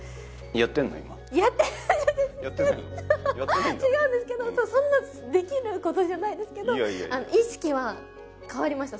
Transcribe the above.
やってやっては違うんですけどそんなできることじゃないですけど意識は変わりました